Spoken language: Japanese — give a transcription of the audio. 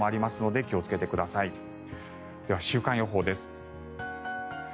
では週間予報です。